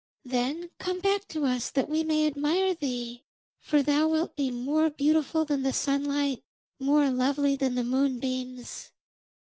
Then come back to us that we may admire thee, for thou wilt be more beautiful than the sunlight, more lovely than the moonbeams.'